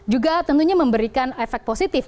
juga tentunya memberikan efek positif